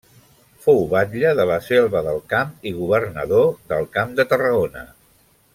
Fou batlle de La Selva del Camp i governador del Camp de Tarragona.